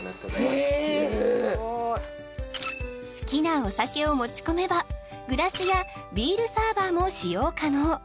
すごい好きなお酒を持ち込めばグラスやビールサーバーも使用可能